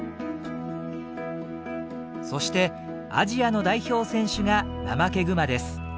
そしてアジアの代表選手がナマケグマです。